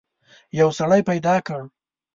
یو سړی پیدا کړ.